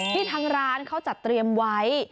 ที่ทางร้านเขาจัดเตรียมไว้